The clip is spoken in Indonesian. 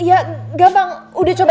ya gampang udah coba